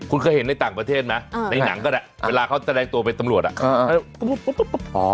คุณเคยเห็นในต่างประเทศไหมในหนังก็ได้เวลาเขาแสดงตัวเป็นตำรวจอ่ะ